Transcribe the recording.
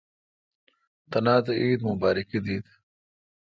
تن عید امبا۔ رکی دیت۔